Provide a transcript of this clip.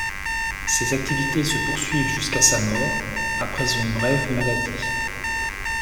Ses activités se poursuivent jusqu'à sa mort, après une brève maladie.